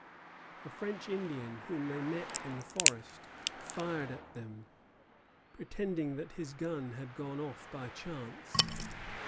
A French Indian, whom they met in the forest, fired at them, pretending that his gun had gone off by chance.